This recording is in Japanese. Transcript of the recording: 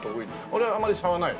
あれあんまり差はない？